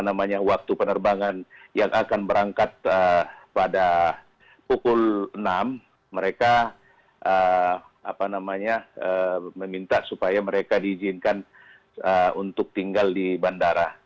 waktu penerbangan yang akan berangkat pada pukul enam mereka meminta supaya mereka diizinkan untuk tinggal di bandara